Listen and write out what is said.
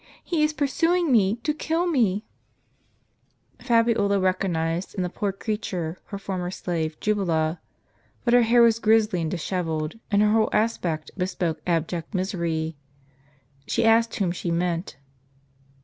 He is pursuing me, to kill me !" Fabiola recognized, in the poor creature, her former slave Jubala; but her hair was grizzly and dishevelled, and her whole aspect bespoke abject misery. She asked whom she meant.